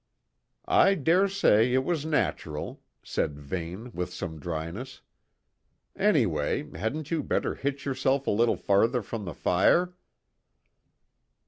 "I dare say it was natural," said Vane with some dryness. "Anyway, hadn't you better hitch yourself a little farther from the fire?"